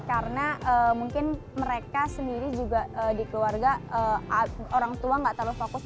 karena mungkin mereka sendiri juga di keluarga orang tua gak terlalu fokus